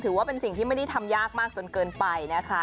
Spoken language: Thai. ถือว่าเป็นสิ่งที่ไม่ได้ทำยากมากจนเกินไปนะคะ